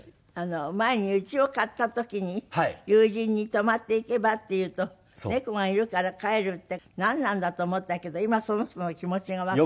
前にうちを買った時に友人に「泊まっていけば？」って言うと「猫がいるから帰る」ってなんなんだと思ったけど今その人の気持ちがわかる？